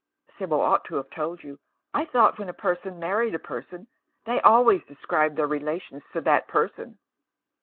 " Sibyl ought to have told you. I thought when a person married a person they always described their relations to that person."